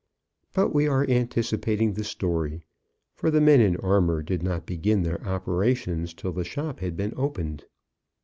But we are anticipating the story, for the men in armour did not begin their operations till the shop had been opened.